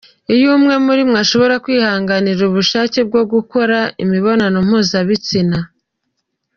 Iyo umwe muri mwe ashobora kwihanganira ubushake bwo gukora imibonano mpuzabitsina.